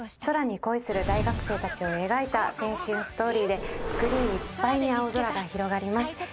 空に恋する大学生たちを描いた青春ストーリーでスクリーンいっぱいに青空が広がります。